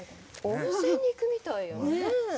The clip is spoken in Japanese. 温泉に行くみたいよね。